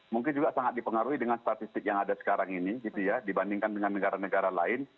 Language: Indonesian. mungkin juga sangat dipengaruhi dengan statistik yang ada sekarang ini gitu ya dibandingkan dengan negara negara lain